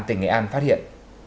tỉnh nghệ an phát hiện